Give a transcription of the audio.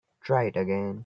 Try it again.